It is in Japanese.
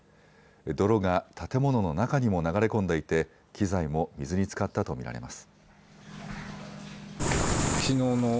泥が建物の中にも流れ込んでいて機材も水につかったと見られます。